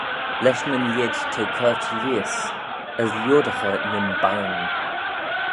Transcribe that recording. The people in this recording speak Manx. Lesh nyn lheid t'eh coyrt lheihys, as leodaghey nyn bianyn.